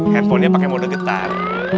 handphonenya pakai mode getar